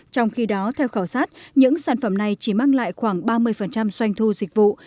trong khi đó theo khảo sát những sản phẩm này chỉ mang lại khoảng ba mươi xoanh thu dịch vụ